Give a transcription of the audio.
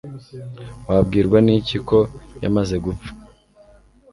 Wabwirwa niki ko yamaze gupfa